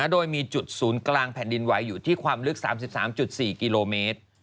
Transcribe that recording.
โดยมีจุดศูนย์กลางแผ่นดินไหวอยู่ที่ความลึก๓๓๔กิโลเมตร